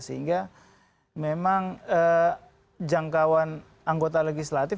sehingga memang jangkauan anggota legislatif